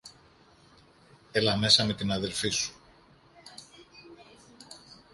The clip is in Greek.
Έλα μέσα με την αδελφή σου.